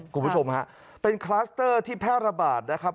คุณผู้ชมฮะเป็นคลัสเตอร์ที่แพร่ระบาดนะครับ